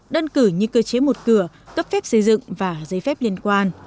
đơn cử như cơ chế một cửa cấp phép xây dựng và giấy phép liên quan